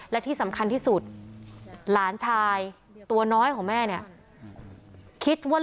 และที่สำคัญที่สุดหลานชายตัวน้อยของแม่เนี่ยคิดว่า